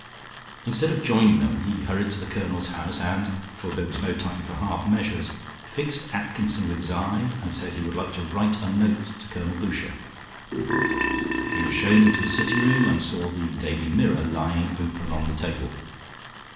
Instead of joining them he hurried to the Colonel's house and, for there was no time for half measures, fixed Atkinson with his eye, and said he would like to write a note to Colonel Boucher. He was shown into his sitting room, and saw the "Daily Mirror" lying open on the table.